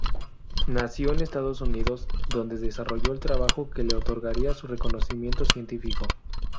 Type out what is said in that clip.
Nació en Estados Unidos donde desarrollo el trabajo que le otorgaría su reconocimiento científico.